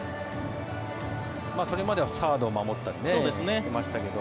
それまではサードを守ったりしてましたけど。